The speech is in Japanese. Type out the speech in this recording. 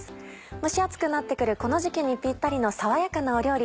蒸し暑くなってくるこの時期にピッタリの爽やかな料理。